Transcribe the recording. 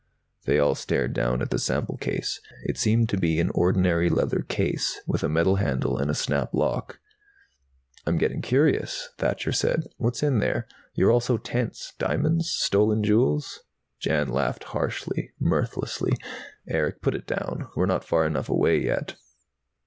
They all stared down at the sample case. It seemed to be an ordinary leather case, with a metal handle and a snap lock. "I'm getting curious," Thacher said. "What's in there? You're all so tense. Diamonds? Stolen jewels?" Jan laughed harshly, mirthlessly. "Erick, put it down. We're not far enough away, yet."